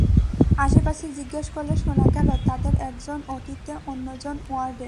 আশপাশে জিজ্ঞেস করলে শোনা গেল, তাঁদের একজন ওটিতে, অন্য দুজন ওয়ার্ডে।